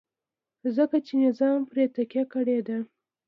ځکه چې نظام پرې تکیه کړې ده.